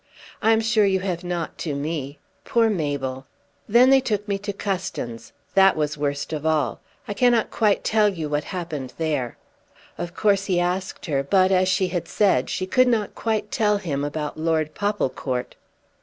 "I am sure you have not to me. Poor Mabel! Then they took me to Custins. That was worst of all. I cannot quite tell you what happened there." Of course he asked her, but, as she had said, she could not quite tell him about Lord Popplecourt.